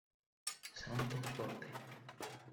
Santo Fuerte.